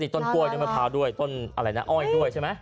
ต้นกล้วยต้นผัวด้วยต้นอ้อยด้วยใช่ไหม